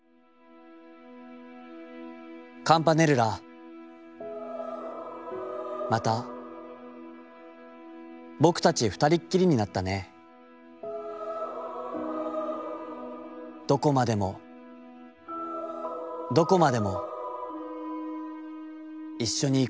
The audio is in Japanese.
「『カムパネルラ、また僕たち二人っきりになったねえ、どこまでもどこまでも一緒に行かう。